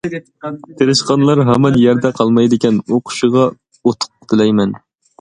تىرىشقانلار ھامان يەردە قالمايدىكەن، ئوقۇشىغا ئۇتۇق تىلەيمەن.